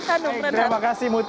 hanum dan nenhat